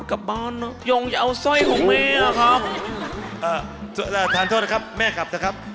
ก็ได้ครับ